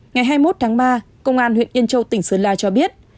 ngày hai mươi một tháng ba công an huyện yên châu tỉnh sơn la cho biết